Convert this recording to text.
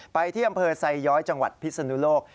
ไปที่อำเภอไซย้อยจังหวัดพิศนุโลก